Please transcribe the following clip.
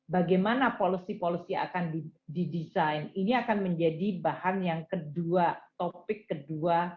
bagaimana policy policy akan didesain ini akan menjadi bahan yang kedua topik kedua